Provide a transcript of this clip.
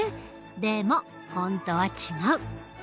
でも本当は違う。